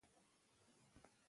زده کړه د ژوند کیفیت لوړوي.